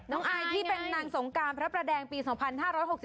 อายที่เป็นนางสงการพระประแดงปี๒๕๖๒